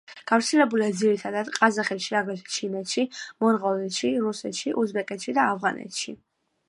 გავრცელებულია ძირითადად ყაზახეთში, აგრეთვე ჩინეთში, მონღოლეთში, რუსეთში, უზბეკეთში და ავღანეთში.